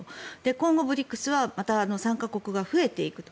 今後、ＢＲＩＣＳはまた参加国が増えていくと。